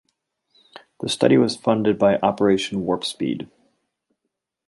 The study was funded by Operation Warp Speed.